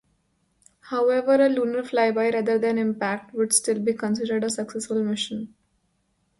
However, a lunar flyby rather than impact would still be considered a successful mission.